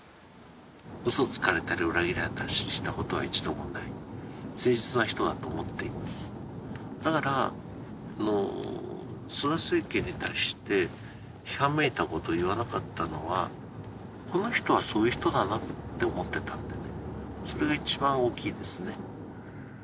嘘つかれたり裏切られたりしたことは一度もない誠実な人だと思っていますだからもう菅政権に対して批判めいたこと言わなかったのはこの人はそういう人だなって思ってたんでそれが一番大きいですね